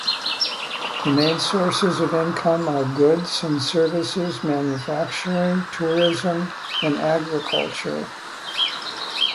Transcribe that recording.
The main sources of income are goods and services, manufacturing, tourism and agriculture.